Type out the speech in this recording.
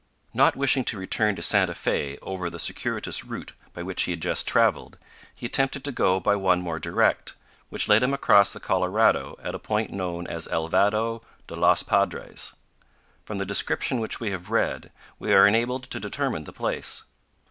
Not wishing to return to Santa Fe over the circuitous route by which he had just traveled, he attempted to go by one more direct, which led him across the Colorado at a point known as El Vado de los Padres. From the description which we have read, we are enabled to determine the place.